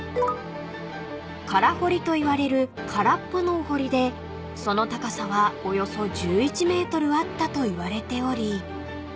［空堀といわれる空っぽのお堀でその高さはおよそ１１ｍあったといわれており